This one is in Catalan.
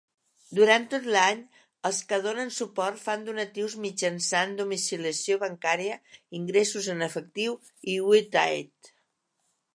Durant tot l'any, els que donen suport fan donatius mitjançant domiciliació bancària, ingressos en efectiu i Will Aid.